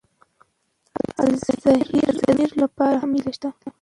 الزایمر لپاره هم هیله شته.